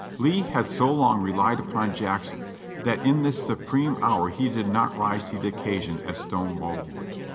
Lee had so long relied upon Jackson, that in this supreme hour he did not rise to the occasion as Stonewall would.